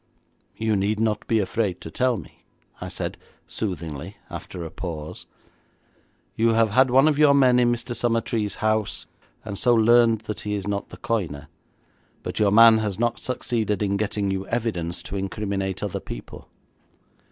'You need not be afraid to tell me,' I said soothingly after a pause. 'You have had one of your men in Mr. Summertrees' house, and so learned that he is not the coiner. But your man has not succeeded in getting you evidence to incriminate other people.'